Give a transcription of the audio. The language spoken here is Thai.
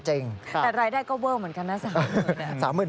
แต่รายได้ก็เวอร์เหมือนกันนะ๓๐๐๐๐บาท